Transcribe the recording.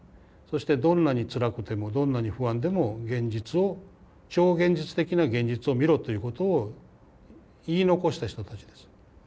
そしてどんなにつらくてもどんなに不安でも現実を超現実的な現実を見ろということを言い残した人たちです。